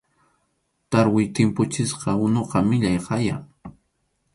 Tarwi tʼimpuchisqa unuqa millay haya.